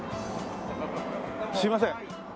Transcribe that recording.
すいません。